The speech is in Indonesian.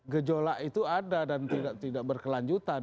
gejolak itu ada dan tidak berkelanjutan